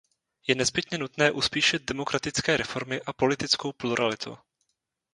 Je nezbytně nutné uspíšit demokratické reformy a politickou pluralitu.